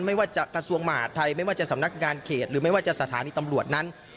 ไม่ว่าจะกระทรวงมหาดไทยไม่ว่าจะสำนักงานเขตหรือไม่ว่าจะสถานีตำรวจนั้น